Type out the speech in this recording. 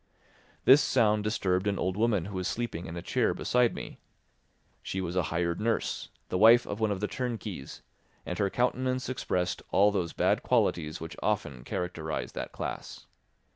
This sound disturbed an old woman who was sleeping in a chair beside me. She was a hired nurse, the wife of one of the turnkeys, and her countenance expressed all those bad qualities which often characterise that class.